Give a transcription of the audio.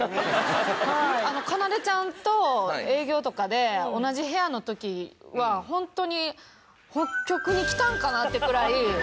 かなでちゃんと営業とかで同じ部屋の時はホントに北極に来たんかなってくらい。